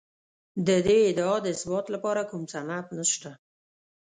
د دې ادعا د اثبات لپاره کوم سند نشته